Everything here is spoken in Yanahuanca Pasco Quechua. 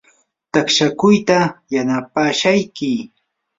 taqshakuyta yanapashayki.